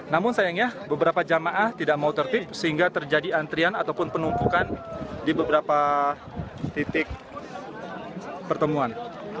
namun sayangnya beberapa jamaah tidak mau tertip sehingga terjadi antrian ataupun penumpukan di beberapa titik pertemuan